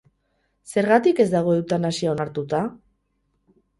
Zergatik ez dago eutanasia onartuta?